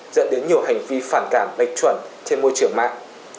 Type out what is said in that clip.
dẫn đến nhiều hành vi phản cảm lệch chuẩn trên môi trường mạng